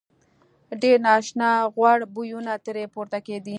ډېر نا آشنا غوړ بویونه ترې پورته کېدل.